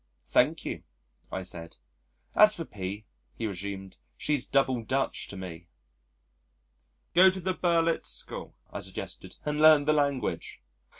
"Thank you," I said. "As for P ," he resumed, "she's double Dutch to me." "Go to the Berlitz School," I suggested, "and learn the language."